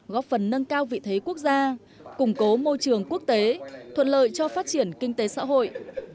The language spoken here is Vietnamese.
góp phần nâng cao vị thế quốc gia củng cố môi trường quốc tế thuận lợi cho phát triển kinh tế xã hội